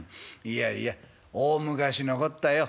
いやいや大昔のこったよ。